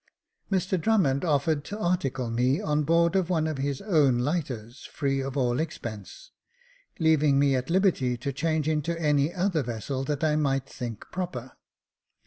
Mr Drummond offered to article me on board of one of his own lighters free of all expense, leaving me at liberty to change into any other vessel that I might think proper.